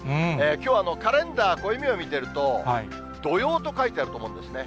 きょうはカレンダー、暦を見てみると、土用と書いてあると思うんですね。